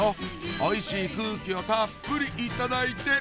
おいしい空気をたっぷりいただいて！